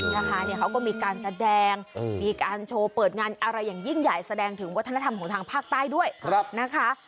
นะคะเนี่ยเขาก็มีการแสดงมีการโชว์เปิดงานอะไรอย่างยิ่งใหญ่แสดงถึงวัฒนธรรมของทางภาคใต้ด้วยนะคะ